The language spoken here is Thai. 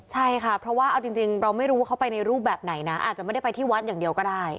ใช่ค่ะเพราะว่าเอาจริงเราไม่รู้ว่าเขาไปในรูปแบบไหนนะอาจจะไม่ได้ไปที่วัดอย่างเดียวก็ได้